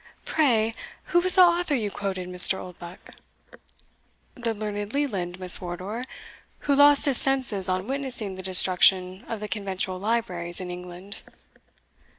"Pray, who was the author you quoted, Mr. Oldbuck?" "The learned Leland, Miss Wardour, who lost his senses on witnessing the destruction of the conventual libraries in England."